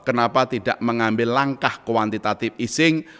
kenapa tidak mengambil langkah kuantitatif ising